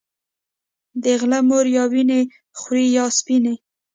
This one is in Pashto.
د غله مور يا وينې خورې يا سپينې